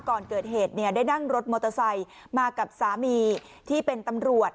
ก่อนเกิดเหตุเนี่ยได้นั่งรถมอเตอร์ไซค์มากับสามีที่เป็นตำรวจ